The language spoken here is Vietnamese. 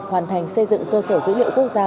hoàn thành xây dựng cơ sở dữ liệu quốc gia